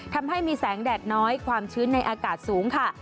ทำให้มีแสงแดดน้อยความชื้นในอากาศสูงค่ะ